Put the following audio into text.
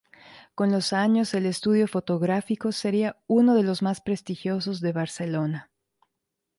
Con los años el estudio fotográfico sería uno de los más prestigiosos de Barcelona.